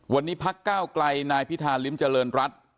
วันนี้พักก้าวไกลนายพิธาริมเจริญรัฐ